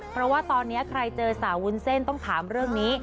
เพราะว่าตอนนี้ใครเจอสาววุ้นเส้นต้องถามเรื่องนี้